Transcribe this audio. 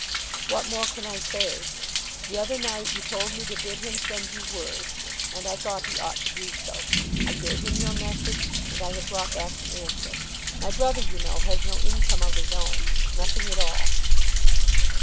"What more can I say? The other night you told me to bid him send you word. And I thought he ought to do so. I gave him your message, and I have brought back the answer. My brother, you know, has no income of his own; nothing at all."